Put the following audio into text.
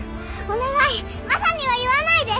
お願いマサには言わないで！